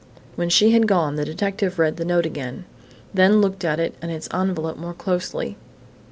When she had gone, the detective read the note again, then looked at it and its envelope more closely.